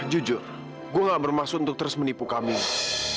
jujur gua gak bermaksud untuk terus menipu kamila